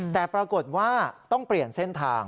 แต่ปรากฏว่าต้องเปลี่ยนเส้นทาง